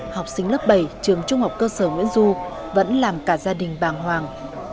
học sinh lớp bảy trường trung học cơ sở nguyễn du vẫn làm cả gia đình bàng hoàng